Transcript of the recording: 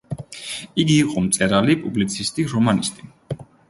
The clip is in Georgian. იგი იყო მწერალი, პუბლიცისტი, რომანისტი.